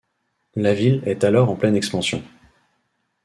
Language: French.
La ville est alors en pleine expansion.